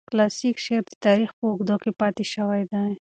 کلاسیک شعر د تاریخ په اوږدو کې پاتې شوی دی.